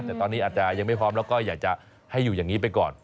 แต่ตอนนี้อาจจะยังไม่พร้อมแล้วก็อยากจะให้อยู่อย่างนี้ไปก่อน